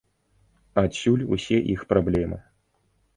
Адсюль усе іх праблемы.